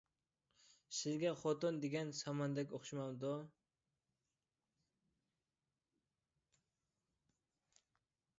سىلىگە خوتۇن دېگەن ساماندەك ئوخشىمامدۇ؟